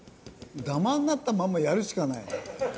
ダマになったまんまやるしかない。